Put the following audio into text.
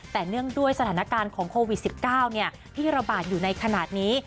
แต่เนื่องด้วยสถานการณ์ของโควิด๑๙ที่ระบาดอยู่ในขณะนี้